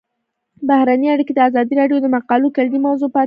بهرنۍ اړیکې د ازادي راډیو د مقالو کلیدي موضوع پاتې شوی.